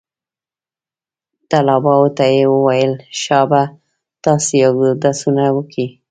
طلباو ته يې وويل شابه تاسې اودسونه وكئ.